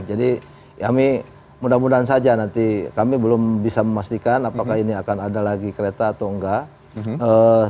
jadi kami mudah mudahan saja nanti kami belum bisa memastikan apakah ini akan ada lagi kereta atau enggak